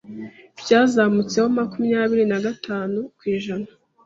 byazamutseho makumyabiri nagatanu kwijana